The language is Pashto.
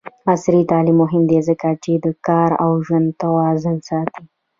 عصري تعلیم مهم دی ځکه چې د کار او ژوند توازن ساتي.